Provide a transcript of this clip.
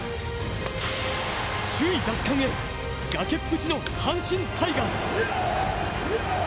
首位奪還へ、崖っぷちの阪神タイガース。